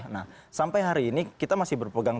nah sampai hari ini kita masih berpegang